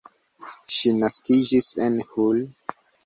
Ŝi naskiĝis en Hull.